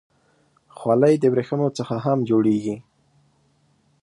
خولۍ د ورېښمو څخه هم جوړېږي.